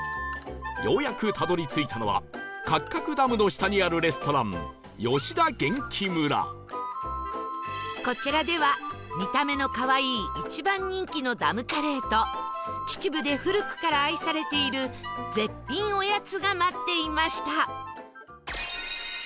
ようやくたどり着いたのは合角ダムの下にあるレストランこちらでは見た目の可愛い一番人気のダムカレーと秩父で古くから愛されている絶品おやつが待っていました